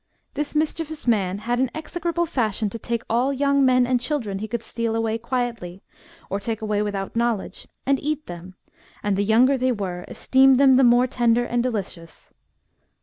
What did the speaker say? This mischievous man had ane execrable fashion to take all young men and children he could steal away quietly, or tak' away without knowledge, and eat them, and the younger they were, esteemed them the mair tender and delicious.